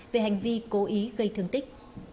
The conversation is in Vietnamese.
về hành vi cố ý gây thương tích